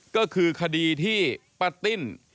ก็คือคดีที่ป้าติ้น